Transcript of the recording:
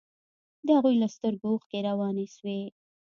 د هغوى له سترگو اوښکې روانې سوې.